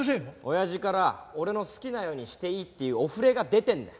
親父から俺の好きなようにしていいっていうお触れが出てるんだよ。